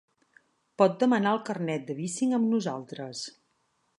Pot demanar el carnet de bicing amb nosaltres.